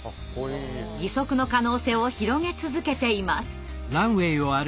義足の可能性を広げ続けています。